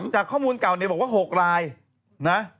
จากข้อมูลเก่าเนี่ยบอกว่า๖รายนะ